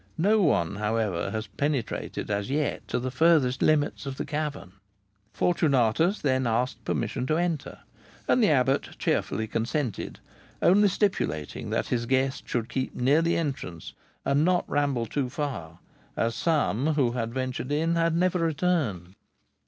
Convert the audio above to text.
No one, however, has penetrated as yet to the furthest limits of the cavern." Fortunatus then asked permission to enter, and the abbot cheerfully consented, only stipulating that his guest should keep near the entrance and not ramble too far, as some who had ventured in had never returned.